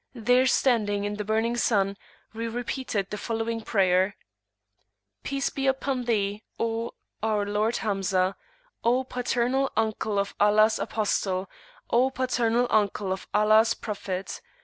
There standing in the burning sun, we repeated the following prayer: "Peace be upon Thee, O our Lord Hamzah! O Paternal Uncle of Allah's Apostle! O Paternal Uncle of Allah's Prophet!